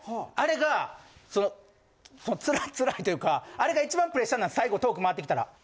あれがそのつらいというかあれが一番プレッシャーなんです最後トーク回ってきたら。